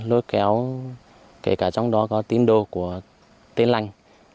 lối kéo kể cả trong đó có tin đồ của tên lành